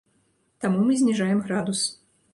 Таму мы зніжаем градус.